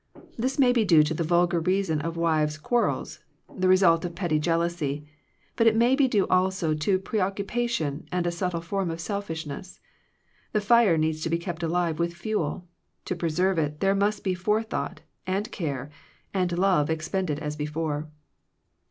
This may be due to the vulgar reason of wives' quarrels, the result of petty jealousy; but it may be due also to pre occupation and a subtle form of selfishness. The fire needs to be kept alive with fuel. To preserve it, there must be forethought, and care, and love expended as before.